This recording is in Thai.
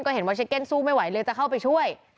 เห็นว่าเช็คเก็นสู้ไม่ไหวเลยจะเข้าไปช่วย